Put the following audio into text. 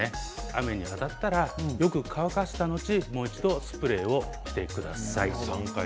雨に当たったらよく乾かした後もう一度スプレーをしてください。